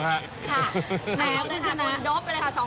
ค่ะแมวนะคุณชนะคุณโดบไปเลยค่ะ๒คน